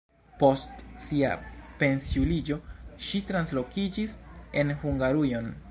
Post sia pensiuliĝo ŝi translokiĝis en Hungarujon.